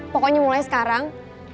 pokoknya mulai sekarang